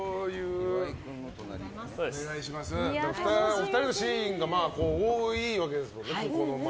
お二人のシーンが多いわけですよね。